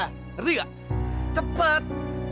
nerti gak cepet